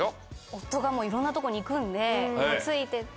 夫がいろんなとこに行くんでついてって。